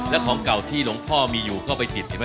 และของเก่าที่หลวงพ่อมีอยู่ก็ไปติดใช่ไหม